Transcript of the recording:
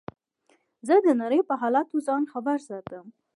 زه د نړۍ په حالاتو ځان خبر ساتم.